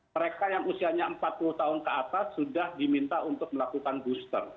mereka yang usianya empat puluh tahun ke atas sudah diminta untuk melakukan booster